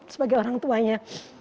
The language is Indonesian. sebagai orang tuanya